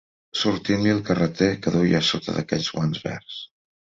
Sortint-li el carreter que duia a sota d'aquells guants verds